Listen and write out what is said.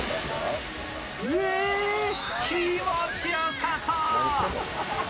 気持ちよさそう。